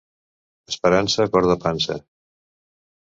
Esperança, cor de pansa.